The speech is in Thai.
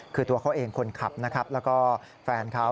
คือตัวเขาเองคุณคับและแฟนเขา